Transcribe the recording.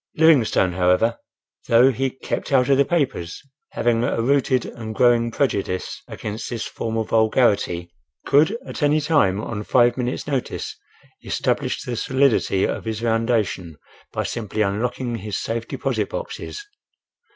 Livingstone, however, though he "kept out of the papers," having a rooted and growing prejudice against this form of vulgarity, could at any time, on five minutes' notice, establish the solidity of his foundation by simply unlocking his safe deposit boxes.